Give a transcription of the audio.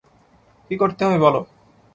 কী করতে হবে বলো।